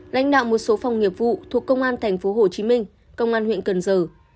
lãnh đạo một số phòng nghiệp vụ thuộc công an tp hcm công an huyện cần giờ